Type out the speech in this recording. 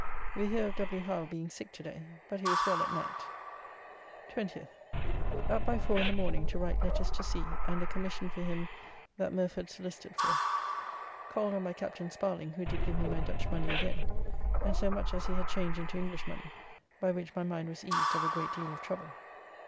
We hear of W. Howe being sick to day, but he was well at night. 20th. Up by 4 in the morning to write letters to sea and a commission for him that Murford solicited for. Called on by Captain Sparling, who did give me my Dutch money again, and so much as he had changed into English money, by which my mind was eased of a great deal of trouble.